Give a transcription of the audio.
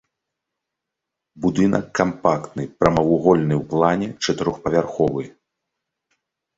Будынак кампактны, прамавугольны ў плане, чатырохпавярховы.